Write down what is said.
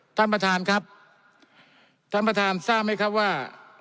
ท่านประธานครับท่านประธานทราบไหมครับว่า